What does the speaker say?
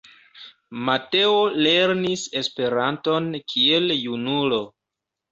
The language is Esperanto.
Mateo lernis Esperanton kiel junulo.